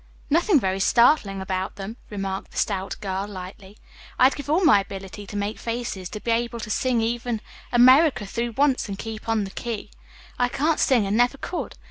"Nothing very startling about them," remarked the stout girl lightly. "I'd give all my ability to make faces to be able to sing even 'America' through once and keep on the key. I can't sing and never could.